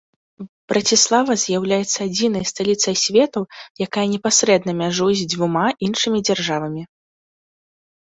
Браціслава з'яўляецца адзінай сталіцай свету, якая непасрэдна мяжуе з дзвюма іншымі дзяржавамі.